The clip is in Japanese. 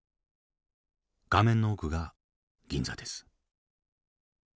画面の奥が銀座です。